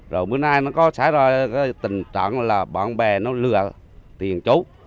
rồi bữa nay nó có xảy ra tình trạng là bạn bè nó lừa tiền trốn